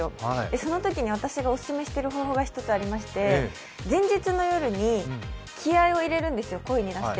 そのときに私がオススメしている方法がありまして前日の夜に、気合いを入れるんですよ、声に出して。